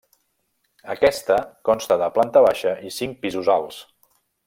Aquesta consta de planta baixa i cinc pisos alts.